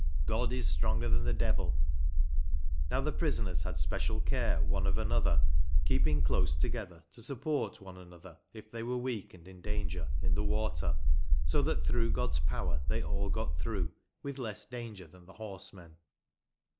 God is stronger than the Devill. Now the prisoners had special care one of another, keeping close together to support one another if any were weak and in danger, in the watter, so that through God's power they all got through with less danger than the Horsemen.